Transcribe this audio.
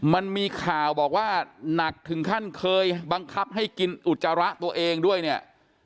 มันมีข่าวบอกว่าหนักถึงขั้นเคยบังคับให้กินอุจจาระตัวเองด้วยเนี่ย